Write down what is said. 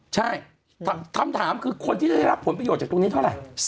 ใช่คำถามคือคนที่ได้รับผลประโยชน์จากตรงนี้เท่าไหร่